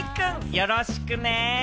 よろしくね。